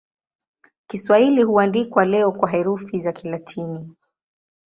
Kiswahili huandikwa leo kwa herufi za Kilatini.